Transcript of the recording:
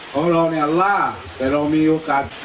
ของเราเนี่ยล่าแต่เรามีโอกาส